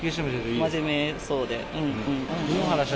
真面目そうで。